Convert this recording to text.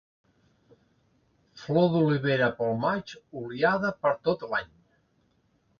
Flor d'olivera pel maig, oliada per tot l'any.